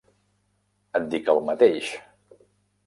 Et dic el mateix.